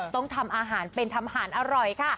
ต้องทำอาหารเป็นทำอาหารอร่อยค่ะ